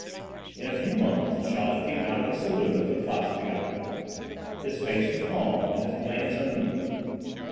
In a few moments Chaleck came out of the saloon to the Place Pigalle. His face was calm and his glance unmoved.